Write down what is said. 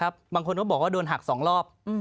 บางคนก็บอกว่าโดนหัก๒รอบ